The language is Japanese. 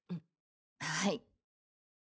はい。